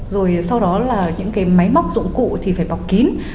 rồi sau đó là những cái máy móc dụng cụ thì phải bọc kín